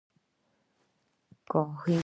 کاهلي بد دی.